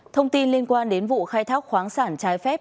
thông tin liên quan đến vụ khai thác khoáng sản trái phép